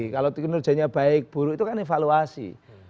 kalau kinerjanya baik buruk itu kan evaluasi